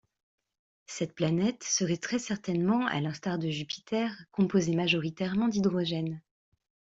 Cette planète serait très certainement, à l'instar de Jupiter, composée majoritairement d'hydrogène.